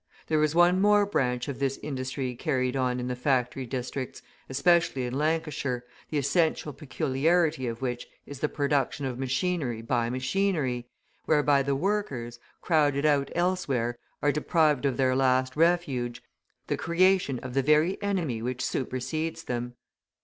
There is one more branch of this industry carried on in the factory districts, especially in Lancashire, the essential peculiarity of which is the production of machinery by machinery, whereby the workers, crowded out elsewhere, are deprived of their last refuge, the creation of the very enemy which supersedes them.